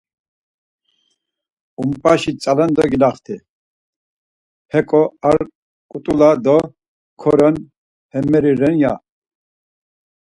Ump̌aş tzalendo gelaxti, heko ar xut̆ula daa koren hemeri ren ya.